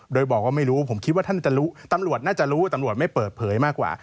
โดยบอกว่าไม่รู้ผมคิดว่าท่านจะรู้ตำรวจน่าจะรู้ตำรวจไม่เปิดเผยมากกว่า